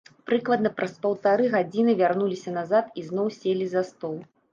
Прыкладна праз паўтары гадзіны вярнуліся назад і зноў селі за стол.